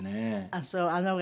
あっそう。